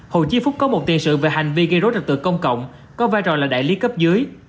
hồ chí phúc có một tiền sự về hành vi gây rối rạc rực tượng công cộng có vai trò là đại lý cấp dưới